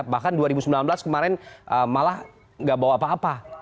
bahkan dua ribu sembilan belas kemarin malah gak bawa apa apa